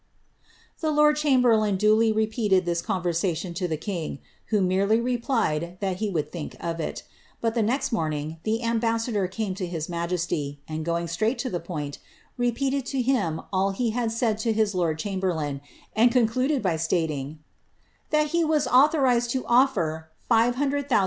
' The lord chamberlain duly repeated this conversation to the king, who merely replied that he would think of it; but the next morning the ambassador came to his majesty, and going straight to the point, rqMtel to him all he had said to his lord chamberlain, and concluded by siBliif ^ that he was authorized to ofier 600,000